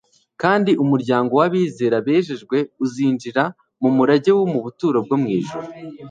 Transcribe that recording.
Kandi umuryango w'abizera bejejwe uzinjira mu murage wo mu buturo bwo mu ijuru.